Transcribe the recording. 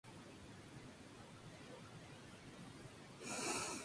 Posee una larga melena rubia, un pañuelo rojo atado al brazo izquierdo.